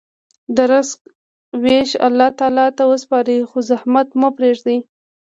د رزق ویش الله تعالی ته وسپارئ، خو زحمت مه پرېږدئ.